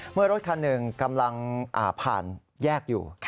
เมื่อรถคันหนึ่งกำลังผ่านแยกอยู่